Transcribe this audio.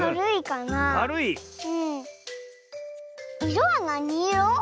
いろはなにいろ？